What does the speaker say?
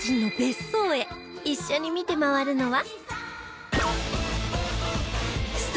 一緒に見て回るのは